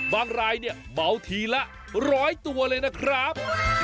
บางรายเนี่ยเบาทีละร้อยตัวเลยนะครับ